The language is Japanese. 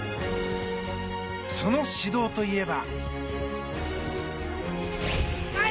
その指導といえば。